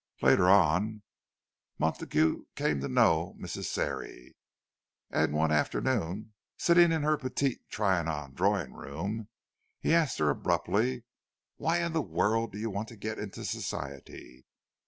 Later on, Montague came to know "Mrs. Sarey"; and one afternoon, sitting in her Petit Trianon drawing room, he asked her abruptly, "Why in the world do you want to get into Society?"